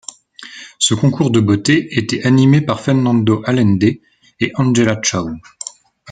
Ce concours de beauté était animé par Fernando Allende et Angela Chow.